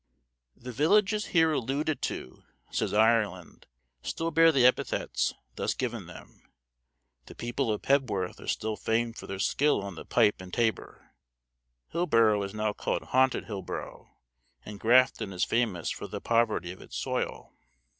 "The villages here alluded to," says Ireland, "still bear the epithets thus given them: the people of Pebworth are still famed for their skill on the pipe and tabor; Hilborough is now called Haunted Hilborough; and Grafton is famous for the poverty of its soil."